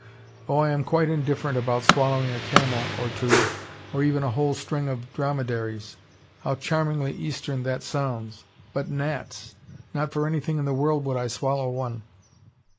Oh, I am quite indifferent about swallowing a camel or two or even a whole string of dromedaries. How charmingly Eastern that sounds! But gnats! Not for anything in the world would I swallow one."